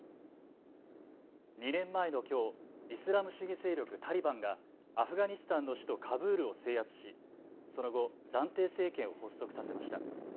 ２年前のきょうイスラム主義勢力タリバンがアフガニスタンの首都カブールを制圧し、その後、暫定政権を発足させました。